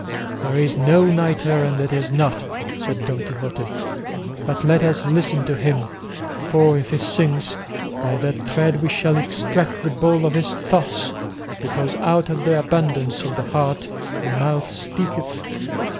"There is no knight errant that is not," said Don Quixote; "but let us listen to him, for, if he sings, by that thread we shall extract the ball of his thoughts; because out of the abundance of the heart the mouth speaketh."